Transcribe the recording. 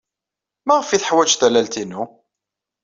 Maɣef ay teḥwaj tallalt-inu?